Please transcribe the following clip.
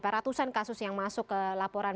ratusan kasus yang masuk ke laporan